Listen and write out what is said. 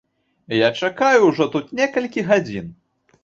Я чакаю ўжо тут некалькі гадзін.